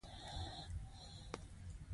شین چای شو خو ګوړه ورسره وه.